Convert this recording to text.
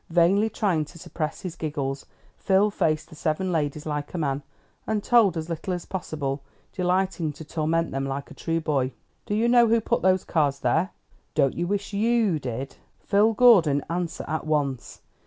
Vainly trying to suppress his giggles, Phil faced the seven ladies like a man, and told as little as possible, delighting to torment them, like a true boy. "Do you know who put those cards there?" "Don't you wish you did?" "Phil Gordon, answer at once."